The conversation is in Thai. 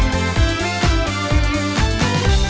ก็สิบหาได้หมด